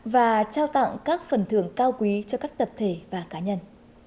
và trao tặng các phần thưởng cao quý cho các tập thể và cá nhân